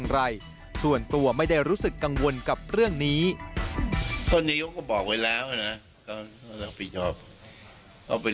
ก็เป็นเรื่องของส่วนตัวของท่าน